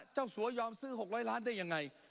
สัวยอมซื้อ๖๐๐ล้านได้ยังไง